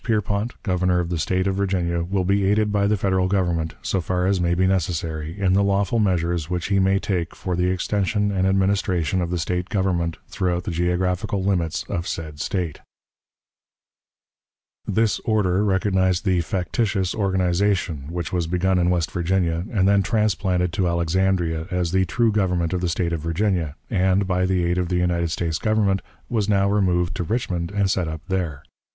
Pierpont, Governor of the State of Virginia, will be aided by the Federal Government, so far as may be necessary, in the lawful measures which he may take for the extension and administration of the State government throughout the geographical limits of said State." This order recognized the factitious organization, which was begun in West Virginia and then transplanted to Alexandria, as the true government of the State of Virginia, and, by the aid of the United States Government, was now removed to Richmond and set up there.